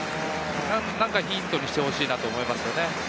何かヒントにしてほしいと思いますね。